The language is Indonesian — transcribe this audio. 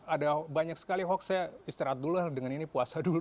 ada banyak sekali hoax saya istirahat dulu dengan ini puasa dulu